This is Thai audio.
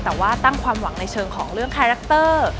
แต่ว่าตั้งความหวังในเชิงของเรื่องคาแรคเตอร์